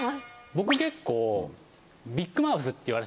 僕結構。